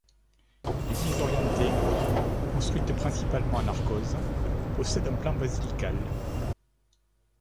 L’église orientée, construite principalement en arkose, possède un plan basilical.